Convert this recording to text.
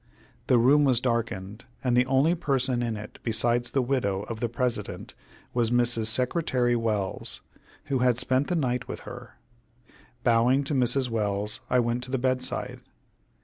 The room was darkened, and the only person in it besides the widow of the President was Mrs. Secretary Welles, who had spent the night with her. Bowing to Mrs. Welles, I went to the bedside.